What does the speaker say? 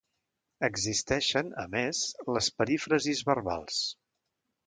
Existeixen, a més, les perífrasis verbals.